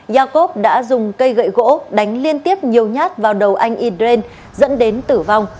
jacob đã dùng cây gậy gỗ đánh liên tiếp nhiều nhát vào đầu anh idren dẫn đến tử vong